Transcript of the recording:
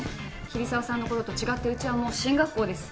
桐沢さんの頃と違ってうちはもう進学校です。